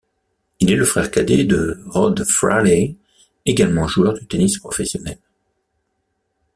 Il est le frère cadet de Rod Frawley, également joueur de tennis professionnel.